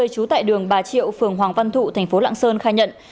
trú tại đường bà triệu phường hoàng văn thụ tp lạng sơn khai nhận